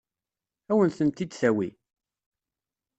Ad wen-tent-id-tawi?